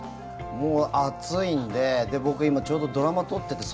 もう暑いので僕、ちょうどドラマ撮ってて。